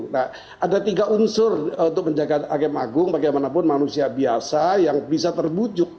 nah ada tiga unsur untuk menjaga hakim agung bagaimanapun manusia biasa yang bisa terbujuk